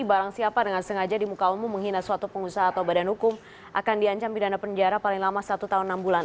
barang siapa dengan sengaja di muka umum menghina suatu pengusaha atau badan hukum akan diancam pidana penjara paling lama satu tahun enam bulan